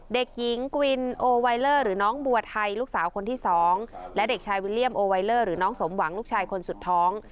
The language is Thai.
เด็กหญิงกวินโอไวเลอร์หรือน้องบัวไทยลูกสาวคนที่สองและเด็กชายวิลเลี่ยมโอไวเลอร์หรือน้องสมหวังลูกชายคนสุดท้อง